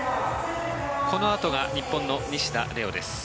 このあとが日本の西田玲雄です。